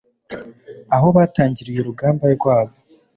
aho batangiriye urugamba rwabo .